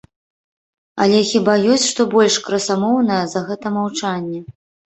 Але хіба ёсць што больш красамоўнае, за гэта маўчанне.